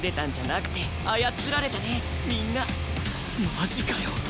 マジかよ